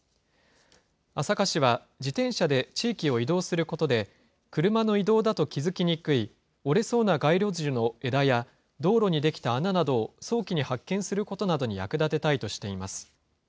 朝霞市は、自転車で地域を移動することで、車の移動だと気付きにくい、折れそうな街路樹の枝や道路に出来た穴などを早期に発見することなどに役立てたいとしています。